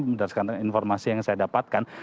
berdasarkan informasi yang saya dapatkan